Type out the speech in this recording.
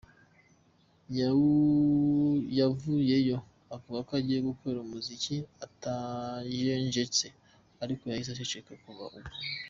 Yavuyeyo avuga ko agiye gukora umuziki atajenjetse ariko yahise aceceka kuva ubwo.